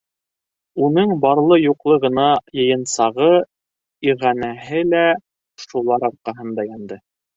Уның барлы-юҡлы ғына йыйынсағы-иғәнәһе лә шулар арҡаһында янды.